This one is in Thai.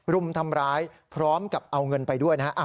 รุมทำร้ายพร้อมกับเอาเงินไปด้วยนะฮะ